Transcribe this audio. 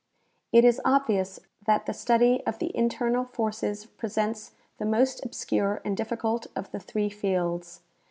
It is obvious that the study of the internal forces presents the most obscure and difficult of the three fields.